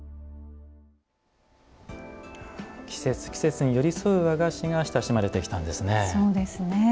季節季節に寄り添う和菓子が親しまれてきたんですね。